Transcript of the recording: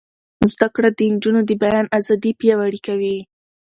زده کړه د نجونو د بیان ازادي پیاوړې کوي.